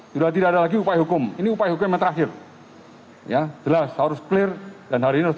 sudah tidak ada lagi upaya hukum ini upaya hukum yang terakhir ya jelas harus clear dan hari ini harus